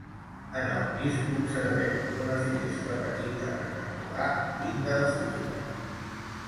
En el pis observem una finestra petita rectangular amb llinda de fusta.